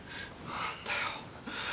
何だよ